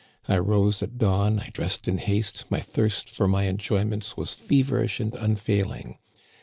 I rose at dawn, I dressed in haste, my thirst for my enjoyments was feverish and unfailing.